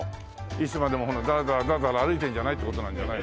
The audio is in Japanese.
いつまでもだらだらだらだら歩いてるんじゃないって事なんじゃない？